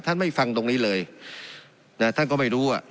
ไม่ฟังตรงนี้เลยนะท่านก็ไม่รู้อ่ะ